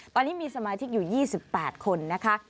ตอนนี้มีสมาชิกอยู่๒๘คนนะคะ